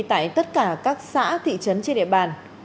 tại tất cả các xã thị trấn trên địa bàn